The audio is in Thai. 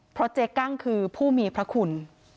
เพราะเจ๊กั้งคือผู้มีพระคุณ